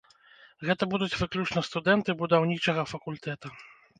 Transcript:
Гэта будуць выключна студэнты будаўнічага факультэта.